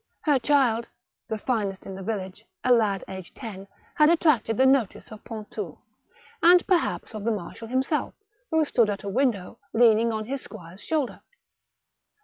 Her child, the finest in the village, a lad aged ten, had attracted the notice of Pontou, and perhaps of the marshal himself, who stood at a window, leaning on his squire's shoulder.